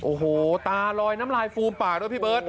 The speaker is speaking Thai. โอ้โหตาลอยน้ำลายฟูมปากด้วยพี่เบิร์ต